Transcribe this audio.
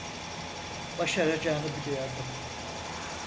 Başaracağını biliyordum.